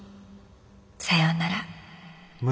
さようなら。